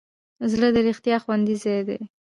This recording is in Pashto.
زړه د رښتیا خوندي ځای دی.